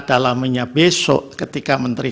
dalamnya besok ketika menteri